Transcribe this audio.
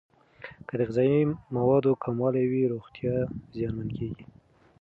که د غذا موادو کموالی وي، روغتیا زیانمن کیږي.